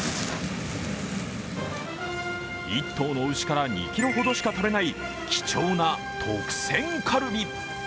１頭の牛から２ｋｇほどしか取れない貴重な特選カルビ。